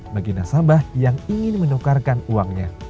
bagi nasabah yang ingin menukarkan uangnya